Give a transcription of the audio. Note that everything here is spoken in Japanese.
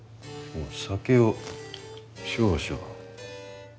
酒を少々。